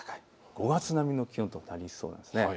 ５月並みの気温となりそうです。